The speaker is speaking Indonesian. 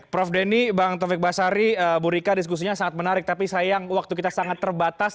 prof denny bang taufik basari bu rika diskusinya sangat menarik tapi sayang waktu kita sangat terbatas